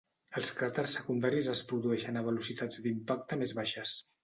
Els cràters secundaris es produeixen a velocitats d'impacte més baixes.